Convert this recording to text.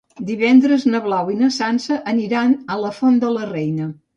Divendres na Blau i na Sança aniran a la Font de la Reina.